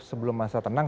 sebelum masa tenang